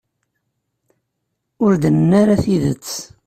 Ur d-nenni ara tidet.